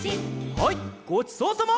はいごちそうさま。